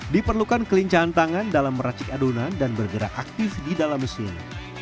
diperlukan kelincahan tangan dalam meracik adonan dan bergerak aktif di dalam mesin